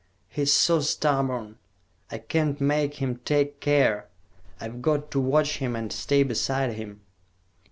He's so stubborn. I can't make him take care. I've got to watch him and stay beside him."